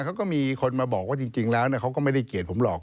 เขาก็มีคนมาบอกว่าจริงแล้วเขาก็ไม่ได้เกลียดผมหรอก